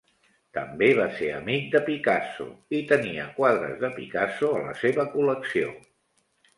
També va ser amic de Picasso i tenia quadres de Picasso a la seva col·lecció.